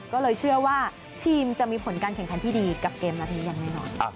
ก็เลยเชื่อว่าทีมจะมีผลการแข่งขันที่ดีกับเกมนัดนี้อย่างแน่นอน